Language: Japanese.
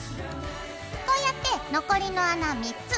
こうやって残りの穴３つ。